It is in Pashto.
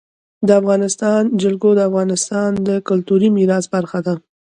د افغانستان جلکو د افغانستان د کلتوري میراث برخه ده.